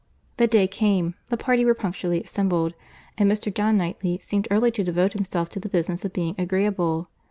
The day came, the party were punctually assembled, and Mr. John Knightley seemed early to devote himself to the business of being agreeable.